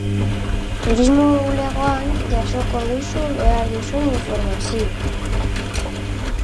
Turismo bulegoan jasoko duzu behar duzun informazioa